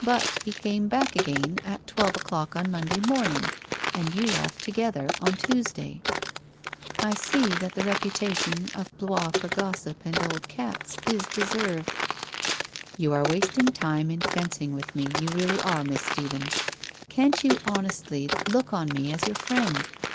But he came back again at twelve o'clock on Monday morning and you left together on Tuesday/ ' I see that the reputation of Blois for gossip and old cats is deserved/ 1 You are wasting time in fencing with me, you really are, Miss Stephens. Can't you honestly look on me as your friend